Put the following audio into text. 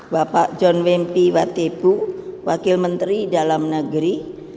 bapak john wempi watepu wakil menteri dalam negeri